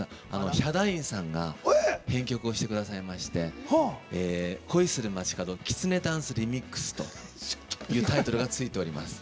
ヒャダインさんが編曲をしてくださって「恋する街角きつねダンスＲｅｍｉｘ」というタイトルがついております。